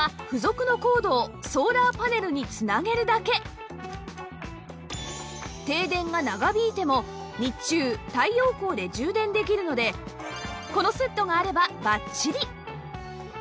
使い方は停電が長引いても日中太陽光で充電できるのでこのセットがあればバッチリ！